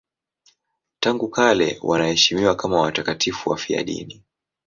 Tangu kale wanaheshimiwa kama watakatifu wafiadini.